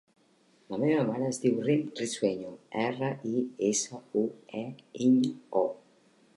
La meva mare es diu Rym Risueño: erra, i, essa, u, e, enya, o.